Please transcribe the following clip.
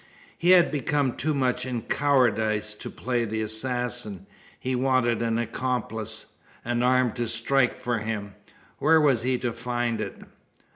He had become too much encowardised to play the assassin. He wanted an accomplice an arm to strike for him. Where was he to find it?